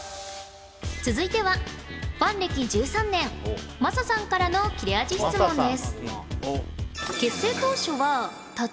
続いてはファン歴１３年まささんからの切れ味質問です